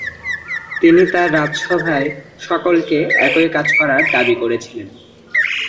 তিনি তার রাজসভায় সকলকে একই কাজ করার দাবী করেছিলেন।